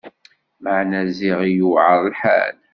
Meɛna ziɣ i yuɛer lḥal!